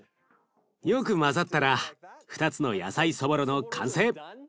よく混ざったら２つの野菜そぼろの完成。